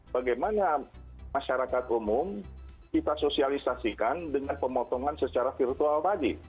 bagaimana masyarakat umum kita sosialisasikan dengan pemotongan secara virtual tadi